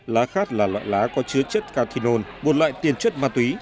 lá khát là loại lá có chứa chất cathinol một loại tiền chất ma túy